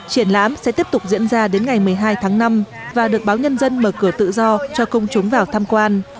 triển lãm sẽ tiếp tục diễn ra đến ngày một mươi hai tháng năm và được báo nhân dân mở cửa tự do cho công chúng vào tham quan